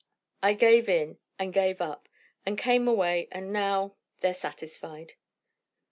I gave in, and gave up, and came away, and now they're satisfied."